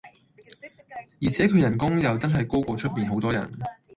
而且佢人工又真係高過出面好多人